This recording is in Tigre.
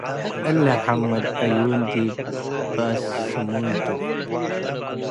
እሊ ሐመድ ዕዩን ዲብ በአስ ስሙይ ቱ።